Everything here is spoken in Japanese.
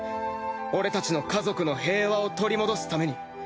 俺たちの家族の平和を取り戻すために。